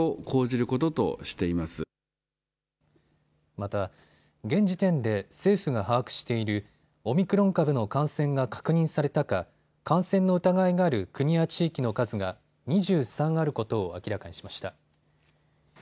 また現時点で政府が把握しているオミクロン株の感染が確認されたか感染の疑いのある国や地域の数が２３あることを明らかにしました。